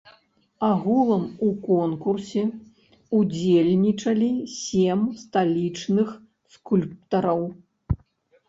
Агулам у конкурсе ўдзельнічалі сем сталічных скульптараў.